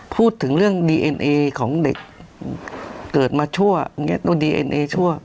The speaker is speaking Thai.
พูดถึงเรื่องดีเอ็นเอของเด็กเกิดมาชั่วอย่างนี้ต้องดีเอ็นเอชั่ว